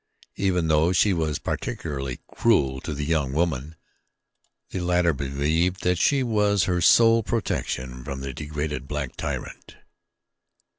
Even though she was particularly cruel to the young woman, the latter believed that she was her sole protection from the degraded black tyrant.